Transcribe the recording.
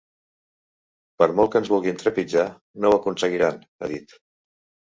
Per molt que ens vulguin trepitjar, no ho aconseguiran, ha dit.